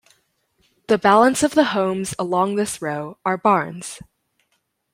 The balance of the homes along this row are barns.